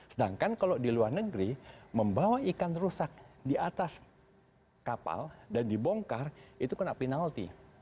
sedangkan kalau di luar negeri membawa ikan rusak di atas kapal dan dibongkar itu kena penalti